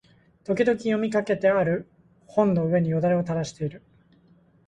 時々読みかけてある本の上に涎をたらしている